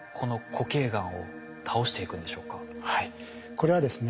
これはですね